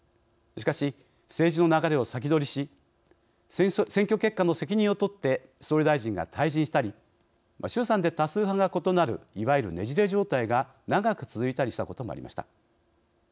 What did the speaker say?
しかし、政治の流れを先取りし選挙結果の責任を取って総理大臣が退陣したり衆参で多数派が異なるいわゆる、ねじれ状態が長く続いたりしたこともありました。